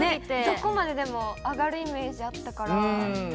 どこまででも上がるイメージあったから。